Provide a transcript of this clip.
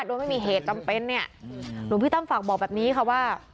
โดยไม่มีเหตุจำเป็นเนี่ยหลวงพี่ตั้มฝากบอกแบบนี้ค่ะว่า